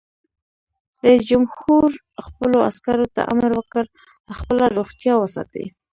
رئیس جمهور خپلو عسکرو ته امر وکړ؛ خپله روغتیا وساتئ!